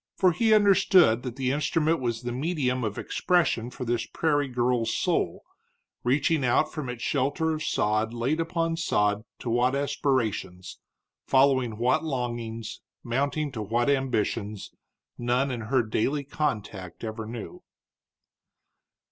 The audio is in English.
For he understood that the instrument was the medium of expression for this prairie girl's soul, reaching out from its shelter of sod laid upon sod to what aspirations, following what longings, mounting to what ambitions, none in her daily contact ever knew.